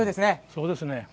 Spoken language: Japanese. そうですね。